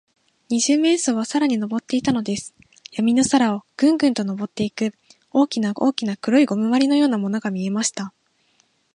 二十面相は空にのぼっていたのです。やみの空を、ぐんぐんとのぼっていく、大きな大きな黒いゴムまりのようなものが見えました。